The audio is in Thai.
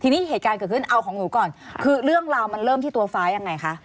ทีนี้เหตุการณ์เกิดขึ้นเอาของหนูก่อนคือเรื่องราวมันเริ่มที่ตัวฟ้ายังไงคะ